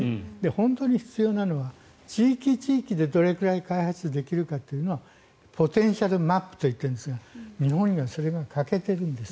本当に必要なのは地域地域でどれくらい開発できるかというのはポテンシャルマップと言っているんですが日本にはそれが欠けてるんです。